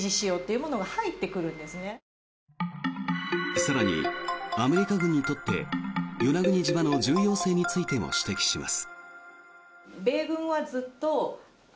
更に、アメリカ軍にとって与那国島の重要性についても指摘します。